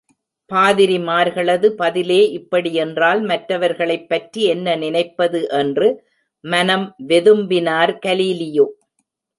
பாதிரிமார்களது பதிலே இப்படி என்றால் மற்றவர்களைப் பற்றி என்ன நினைப்பது என்று மனம் வெதும்பினார் கலீலியோ!